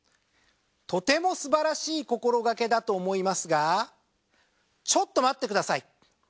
とてもすばらしい心がけだと思いますがちょっと待ってください。